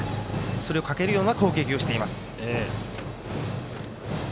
それをかけるような攻撃をしています。